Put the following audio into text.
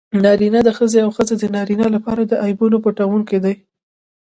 نارینه د ښځې او ښځه د نارینه لپاره د عیبونو پټوونکي دي.